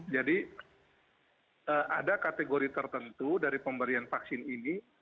jadi ada kategori tertentu dari pemberian vaksin ini